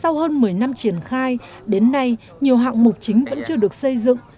sau hơn một mươi năm triển khai đến nay nhiều hạng mục chính vẫn chưa được xây dựng